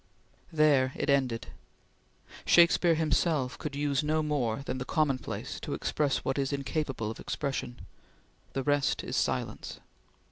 There it ended! Shakespeare himself could use no more than the commonplace to express what is incapable of expression. "The rest is silence!"